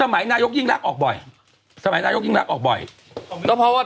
มันน่ากินมากเลยนะ